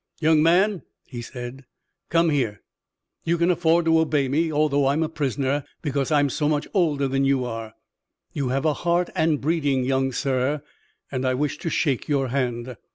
"Young man," he said, "come here. You can afford to obey me, although I'm a prisoner, because I'm so much older than you are. You have a heart and breeding, young sir, and I wish to shake your hand."